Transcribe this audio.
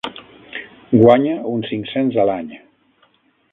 Guanya uns cinc cents a l'any.